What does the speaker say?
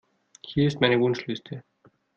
Hier ist meine Wunschliste.